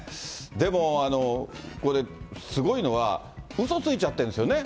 でもこれ、すごいのは、うそついちゃってるんですよね。